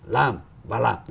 làm và làm